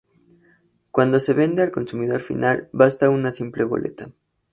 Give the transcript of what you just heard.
Cuando se vende al consumidor final, basta una simple boleta.